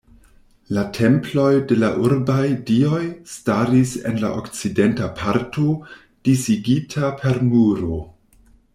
La temploj de la urbaj dioj staris en la okcidenta parto, disigita per muro.